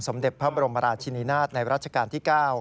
เด็จพระบรมราชินินาศในรัชกาลที่๙